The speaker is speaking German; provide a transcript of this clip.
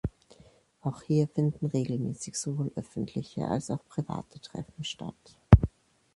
Auch hier finden regelmäßig sowohl öffentliche als auch private Treffen statt.